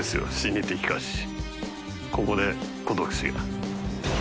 ここで孤独死が。